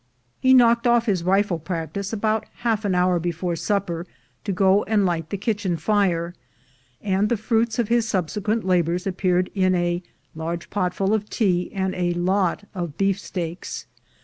He knocked off his rifle practice about half an hour before supper to go and light the kitchen fire, and the fruits of his subsequent labors appeared in a large potful of tea and a lot of beefsteaks.